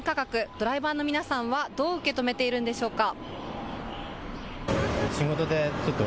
ドライバーの皆さんはどう受け止めているんでしょうか。